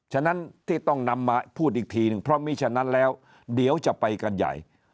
ฉะนั้นที่ต้องนำมาพูดอีกทีหนึ่งเพราะมีฉะนั้นแล้วเดี๋ยวจะไปกันใหญ่